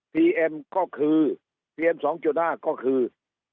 พีเอ็มก็คือพีเอ็มสองจุดหน้าก็คือ